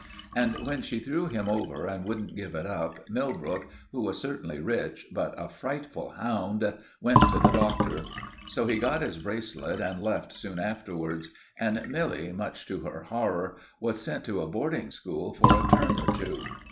And when she threw him over and wouldn't give it up, Millbrook, who was certainly rich but a frightful hound, went to the Doctor. So he got his bracelet and left soon afterwards; and Milly, much to her horror, was sent to a boarding school for a term or two.